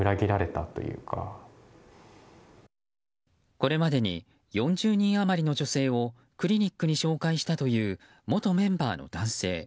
これまでに４０人余りの女性をクリニックに紹介したという元メンバーの男性。